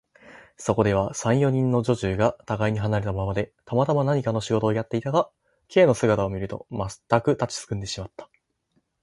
そこでは、三、四人の女中がたがいに離れたままで、たまたま何かの仕事をやっていたが、Ｋ の姿を見ると、まったく立ちすくんでしまった。